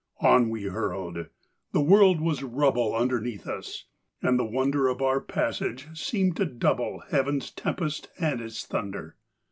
On we hurled. The world was rubble Underneath us; and the wonder Of our passage seemed to double Heaven's tempest and its thunder.